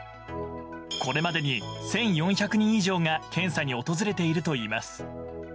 これまでに１４００人以上が検査に訪れているといいます。